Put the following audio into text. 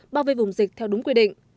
bao vây vùng dịch theo đúng quy định